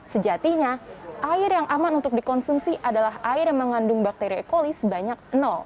sejatinya air yang aman untuk dikonsumsi adalah air yang mengandung bakteri ekolis sebanyak